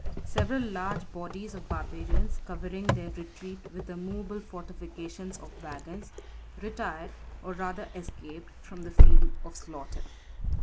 Several large bodies of barbarians, covering their retreat with a movable fortification of wagons, retired, or rather escaped, from the field of slaughter.